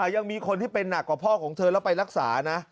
ยังมีคนที่เป็นหนักกว่าพ่อของเธอแล้วไปรักษานะ